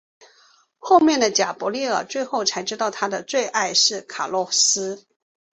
后来贾柏莉儿最后才知道她的最爱是卡洛斯。